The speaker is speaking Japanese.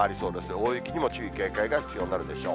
大雪にも注意、警戒が必要になるでしょう。